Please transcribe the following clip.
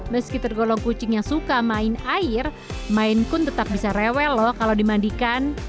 meski tergolong kucing yang suka main air main pun tetap bisa rewel loh kalau dimandikan